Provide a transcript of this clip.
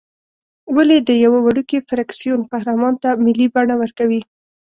ولې د یوه وړوکي فرکسیون قهرمان ته ملي بڼه ورکوې.